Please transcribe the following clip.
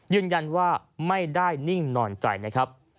ยืนยันว่าไม่ได้นิ่งนอนใจ